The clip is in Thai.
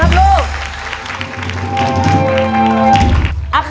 หาร้องหน่อย